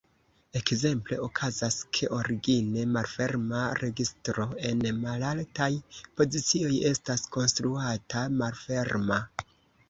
Ekzemple okazas, ke origine malferma registro en malaltaj pozicioj estas konstruata malferma.